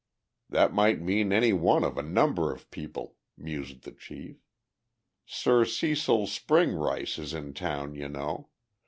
'" "That might mean any one of a number of people," mused the chief. "Sir Cecil Spring Rice is in town, you know.